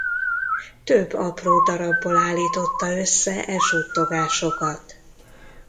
Több apró darabból állította össze e suttogásokat.